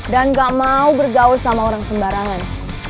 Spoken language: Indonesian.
dan gak mau bergaul sama orang sembarangan